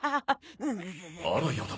あらやだ